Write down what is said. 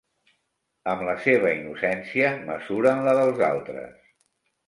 Amb la seva innocència mesuren la dels altres.